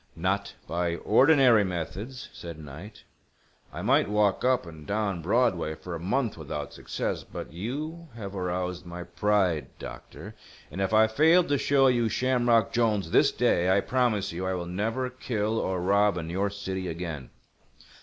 "Not by ordinary methods," said Knight. "I might walk up and down Broadway for a month without success. But you have aroused my pride, doctor; and if I fail to show you Shamrock Jolnes this day, I promise you I will never kill or rob in your city again."